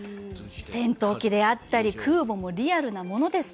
戦闘機であったり、空母もリアルなものです。